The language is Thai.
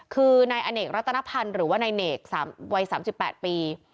คือนายอเนกรัตนพันธ์หรือว่านายเนกวัย๓๘ปี